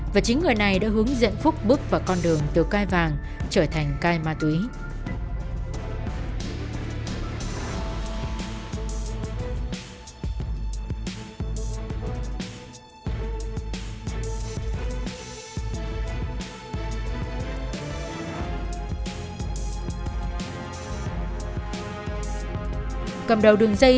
và chính người này đã hướng dẫn phúc bước vào con đường từ cai vàng trở thành cai ma túy